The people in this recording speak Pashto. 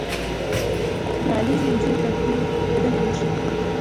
تعلیم نجونو ته د کورنۍ دندې اهمیت ښيي.